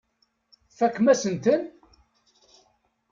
Tfakemt-asen-ten.